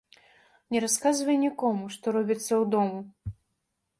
Не расказвай нiкому, што робiцца ўдому